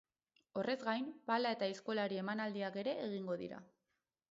Horrez gain, pala eta aizkolari emanaldiak ere egingo dira.